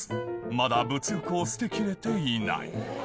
まだ物欲を捨てきれていない